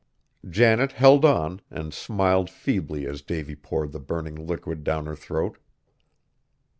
Janet held on, and smiled feebly as Davy poured the burning liquid down her throat.